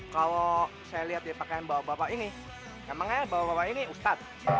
kalau saya lihat di pakaian bawa bapak ini emangnya bawa bapak ini ustadz